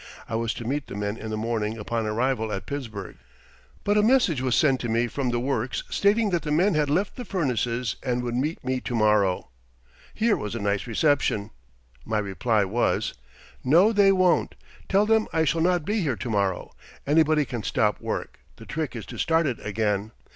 I was to meet the men in the morning upon arrival at Pittsburgh, but a message was sent to me from the works stating that the men had "left the furnaces and would meet me to morrow." Here was a nice reception! My reply was: "No they won't. Tell them I shall not be here to morrow. Anybody can stop work; the trick is to start it again.